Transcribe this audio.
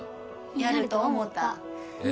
やると思たえっ？